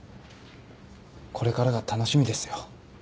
これからが楽しみですよ。